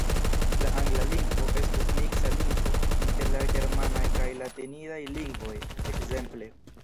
La angla lingvo estus miksa lingvo inter la germanaj kaj latinidaj lingvoj, ekzemple.